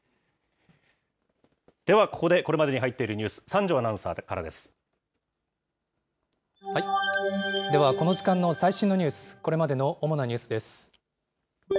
ではここでこれまでに入っているニュース、では、この時間の最新のニュース、これまでの主なニュースです。